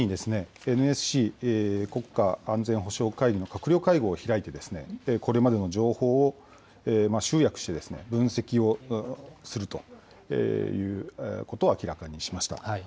直ちにＮＳＣ・国家安全保障会議の閣僚会合を開いて、これまでの情報を集約して、分析をするということを明らかにしました。